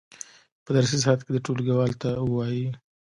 په درسي ساعت کې دې ټولګیوالو ته ووایي.